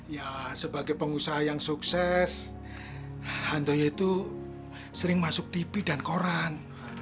ya sebagai pengusaha yang sukses handoyo itu sering masuk tv dan koran